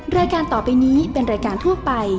รายการต่อไปนี้เป็นรายการทั่วไป